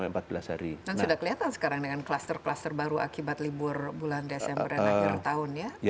dan sudah kelihatan sekarang dengan kluster kluster baru akibat libur bulan desember dan akhir tahun ya